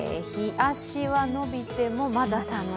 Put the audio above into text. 日脚は伸びてもまだ寒い。